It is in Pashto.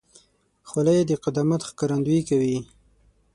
خولۍ د قدامت ښکارندویي کوي.